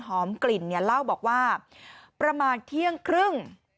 หอมกลิ่นเล่าบอกว่าประมาณเที่ยงครึ่ง